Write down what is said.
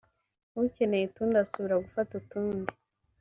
ukeneye utundi asubira gufata utundi